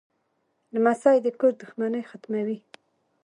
لمسی د کور دښمنۍ ختموي.